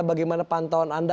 bagaimana pantauan anda